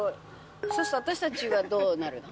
そうすると私たちはどうなるの？